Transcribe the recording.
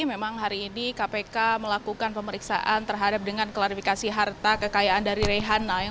memang hari ini kpk melakukan pemeriksaan terhadap dengan klarifikasi harta kekayaan dari rehana